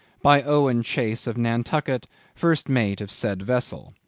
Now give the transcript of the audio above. _By Owen Chace of Nantucket, first mate of said vessel.